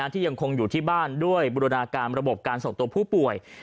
ที่ยังคงอยู่ที่บ้านด้วยบูรณาการระบบการส่งตัวผู้ป่วย